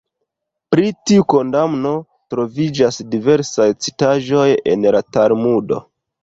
Pri tiu kondamno troviĝas diversaj citaĵoj en la Talmudo.